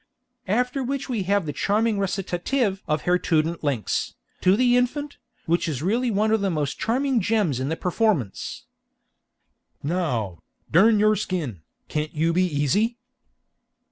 After which we have the charming recitative of Herr Tuden Links, to the infant, which is really one of the most charming gems in the performance: "Now, dern your skin, can't you be easy?"